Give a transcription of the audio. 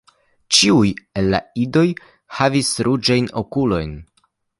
Ĉiuj el la idoj havis ruĝajn okulojn.